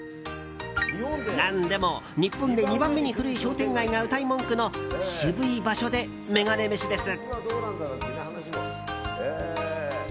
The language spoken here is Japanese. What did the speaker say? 何でも日本で２番目に古い商店街がうたい文句の渋い場所でメガネ飯です。